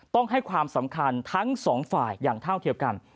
ต้องให้ความสำคัญทั้งสองฝ่ายอย่างเท่าเทียมกัน